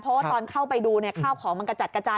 เพราะว่าตอนเข้าไปดูข้าวของมันกระจัดกระจาย